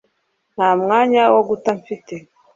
Nta mwanya wo guta mfite